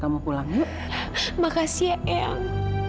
makasih ya eyang